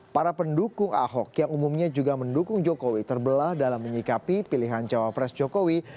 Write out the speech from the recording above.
para pendukung ahok yang umumnya juga mendukung jokowi terbelah dalam menyikapi pilihan cawapres jokowi